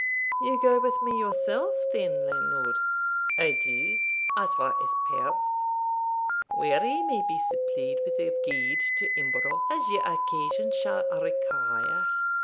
'You go with me yourself then, landlord?' 'I do, as far as Perth; where ye may be supplied with a guide to Embro', as your occasions shall require.'